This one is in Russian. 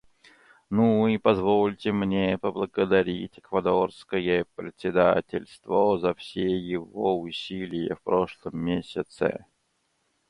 Ну и позвольте мне поблагодарить эквадорское председательство за все его усилия в прошлом месяце.